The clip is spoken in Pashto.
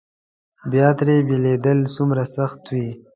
بیا ترې بېلېدل څومره سخت وي.